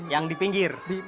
yang di pinggir